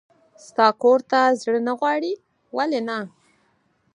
ستا کور ته زړه نه غواړي؟ ولې نه.